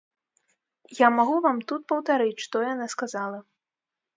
Я магу вам тут паўтарыць, што яна сказала.